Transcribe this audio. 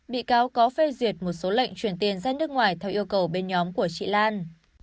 bị cáo có phê duyệt một số lệnh chuyển tiền ra nước ngoài theo yêu cầu bên nhóm của chị lan